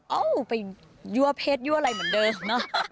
เอาไปยั่วเพศยั่วอะไรเหมือนเดิมเนอะ